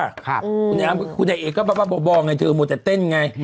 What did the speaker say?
คุณอ้ำคุณใหญ่เอก็บ่อบอกไงเธอมัวแต่เต้นไง